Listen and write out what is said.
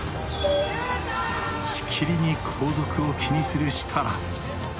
しきりに後続を気にする設楽。